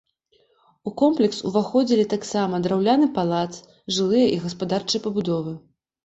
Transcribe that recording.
У комплекс уваходзілі таксама драўляны палац, жылыя і гаспадарчыя пабудовы.